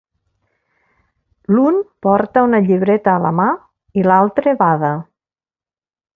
L'un porta una llibreta a la mà i l'altre bada.